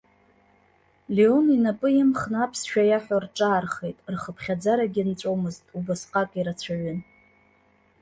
Леон инапы имхны аԥсшәа иаҳәо рҿаархеит, рхыԥхьаӡарагьы нҵәомызт, убасҟак ирацәаҩын.